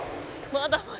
「まだまだ」